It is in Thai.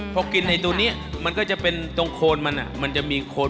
ครับคุณแม่ค่ะก็น่าจะ๓